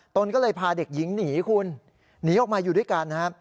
นก็เลยพาเด็กหญิงหนีคุณหนีออกมาอยู่ด้วยกันนะครับ